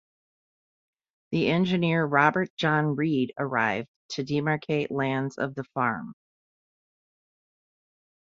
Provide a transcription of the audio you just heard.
The engineer Robert John Reid arrived, to demarcate lands of the farm.